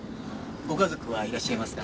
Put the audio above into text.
ご家族はいらっしゃいますか？